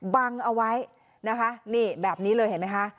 บังเอาไว้นะคะนี่แบบนี้เลยเห็นไหมคะ